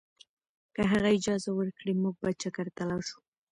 که هغه اجازه ورکړي، موږ به چکر ته لاړ شو.